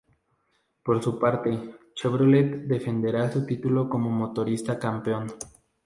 Por su parte, Chevrolet defenderá su título como motorista campeón.